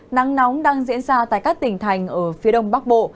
nắng nóng đang diễn ra tại các tỉnh thành ở phía đông bắc bộ